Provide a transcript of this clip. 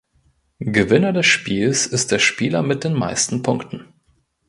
Gewinner des Spiels ist der Spieler mit den meisten Punkten.